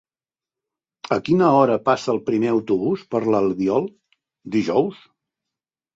A quina hora passa el primer autobús per l'Albiol dijous?